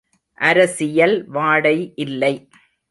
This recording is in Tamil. அரசியல் வாடை இல்லை.